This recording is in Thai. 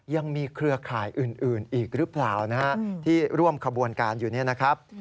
เครือข่ายอื่นอีกหรือเปล่านะฮะที่ร่วมขบวนการอยู่เนี่ยนะครับ